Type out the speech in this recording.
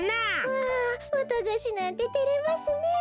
わあわたがしなんててれますねえ。